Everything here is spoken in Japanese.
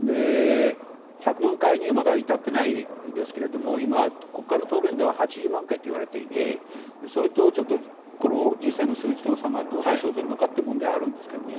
１００万回にはまだ至っていないですが今、国会の答弁では８０万回といわれていてそれとちょっと実際の数字との差がどう生ずるのかというのはあるんですけどね。